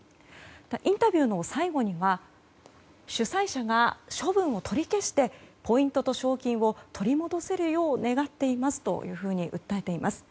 インタビューの最後には主催者が処分を取り消してポイントと賞金を取り戻せるよう願っていますというふうに訴えています。